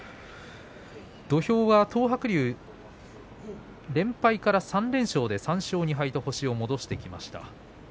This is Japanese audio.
土俵は東白龍、連敗から３連敗で３勝２敗と星を戻してきました。